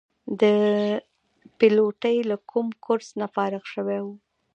د پیلوټۍ له کوم کورس نه فارغ شوي وو.